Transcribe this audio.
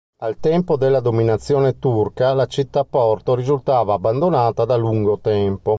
Al tempo della dominazione turca la città-porto risultava abbandonata da lungo tempo.